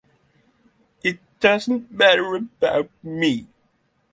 It doesn't matter about me.